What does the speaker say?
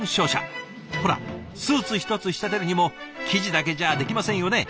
ほらスーツ一つ仕立てるにも生地だけじゃできませんよね？